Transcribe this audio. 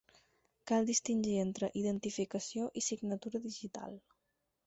Cal distingir entre identificació i signatura digital.